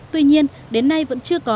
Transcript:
tuy nhiên đến nay vẫn chưa có